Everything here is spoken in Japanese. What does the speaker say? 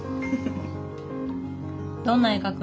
どんな絵描くの？